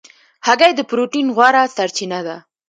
هګۍ د پروټین غوره سرچینه ده.